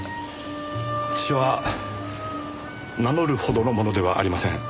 私は名乗るほどの者ではありません。